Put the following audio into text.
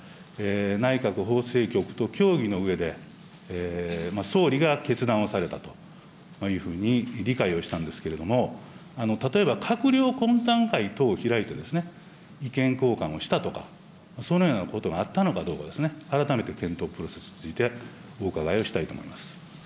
内閣法制局と協議のうえで、総理が決断をされたというふうに理解をしたんですけれども、例えば閣僚懇談会等を開いて意見交換をしたとか、そのようなことがあったのかどうか、改めて検討プロセスについて、お伺いをしたいと思い